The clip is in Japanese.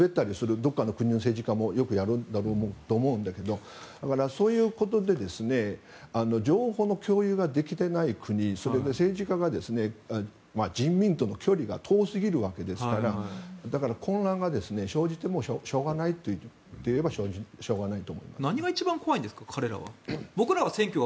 どこかの国の政治家もよくやると思うんだけどだから、そういうことで情報の共有ができていない国それで政治家が人民との距離が遠すぎるわけですからだから混乱が生じてもしょうがないといえばしょうがないと思う。